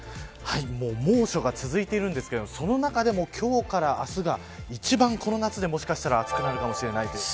もう猛暑が続いているんですけどその中でも今日から明日が一番この夏で、もしかしたら暑くなるかもしれないという。